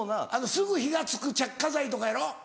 すぐ火が付く着火剤とかやろ？